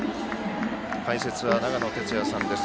解説は長野哲也さんです。